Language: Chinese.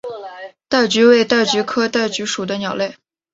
戴菊为戴菊科戴菊属的鸟类。